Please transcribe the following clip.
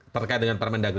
terkait dengan permendagung